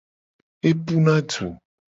Epuna du.